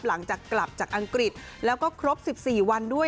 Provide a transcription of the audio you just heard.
หลังจากกลับจากอังกฤษแล้วก็ครบ๑๔วันด้วย